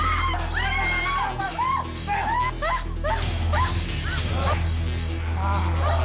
setelah tanpa gerak